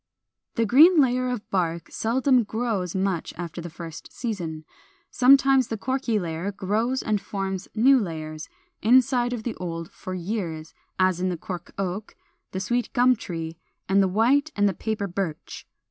] 432. The green layer of bark seldom grows much after the first season. Sometimes the corky layer grows and forms new layers, inside of the old, for years, as in the Cork Oak, the Sweet Gum tree, and the White and the Paper Birch.